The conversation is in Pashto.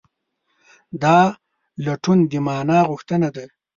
دا لټون د مانا غوښتنه ده.